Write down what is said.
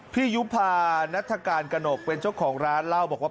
ยุภานัฐกาลกระหนกเป็นเจ้าของร้านเล่าบอกว่า